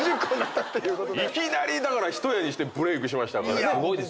いきなりだから一夜にしてブレークしましたからね。